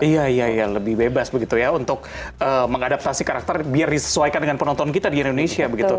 iya iya lebih bebas begitu ya untuk mengadaptasi karakter biar disesuaikan dengan penonton kita di indonesia begitu